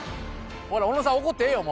ほら小野さん怒ってええよ